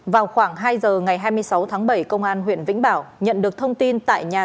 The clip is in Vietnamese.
vào khoảng hai giờ ngày hai mươi sáu tháng bảy công an huyện vĩnh bảo nhận được thông tin tại nhà